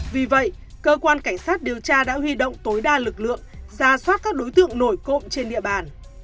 vì vậy cơ quan cảnh sát điều tra đã huy động tối đa lực lượng ra soát các đối tượng nổi cộng trên địa bàn